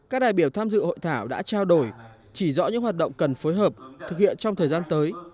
các đại biểu tham dự hội thảo đã trao đổi chỉ rõ những hoạt động cần phối hợp thực hiện trong thời gian tới